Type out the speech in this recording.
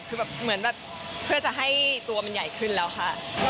คือแบบเหมือนแบบเพื่อจะให้ตัวมันใหญ่ขึ้นแล้วค่ะ